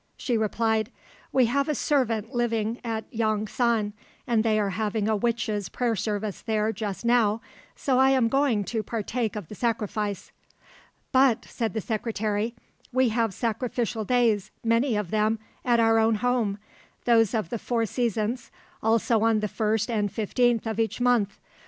She replied, "We have a servant living at Yong san, and they are having a witches' prayer service there just now, so I am going to partake of the sacrifice." "But," said the secretary, "we have sacrificial days, many of them, at our own home, those of the four seasons, also on the first and fifteenth of each month.